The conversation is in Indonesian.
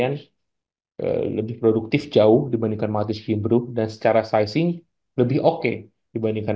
yang lebih produktif jauh dibandingkan maltis kimbru dan secara sizing lebih oke dibandingkan